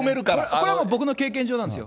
これ僕の経験上なんですよ。